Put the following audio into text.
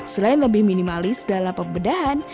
selain lebih minimalis dalam pembedahan